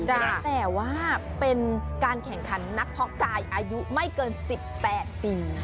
แต่ว่าเป็นการแข่งขันนักเพาะกายอายุไม่เกิน๑๘ปี